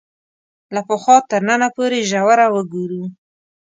له پخوا تر ننه پورې ژوره وګورو